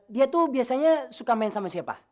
dia tuh biasanya suka main sama siapa